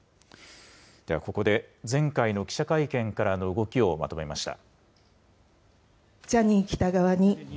では、ここで前回の記者会見からの動きをまとめました。